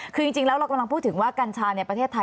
คือจริงแล้วเรากำลังพูดถึงว่ากัญชาในประเทศไทย